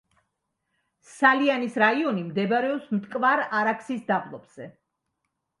სალიანის რაიონი მდებარეობს მტკვარ-არაქსის დაბლობზე.